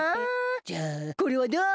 じゃあこれはどう？